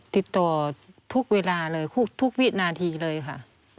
ติดต่อทุกเวลาเลยทุกวินาทีเลยค่ะ